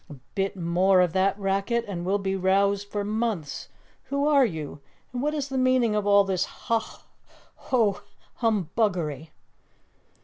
"A bit more of that racket and we'll be roused for months. Who are you? And what is the meaning of all this Hah Hoh Humbuggery?"